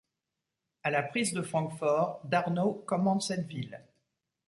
À la prise de Francfort, Darnaud commande cette ville.